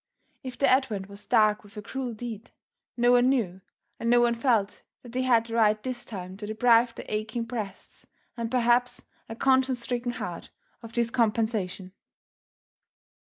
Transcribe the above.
If their advent was dark with a cruel deed, no one knew and no one felt that they had the right this time to deprive the aching breasts and perhaps a conscience stricken heart of this compensation.